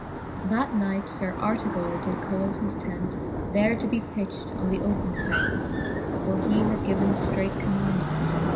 X. That knight Sir Artegall did caufe his tent There to be pitched on the open plainc ; For he had given ftreight commaundment.